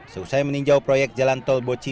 seusai meninjau proyek jalan tolboci